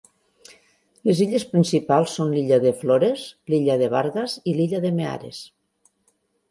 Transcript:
Les illes principals són l'illa de Flores, l'illa de Vargas i l'illa de Meares.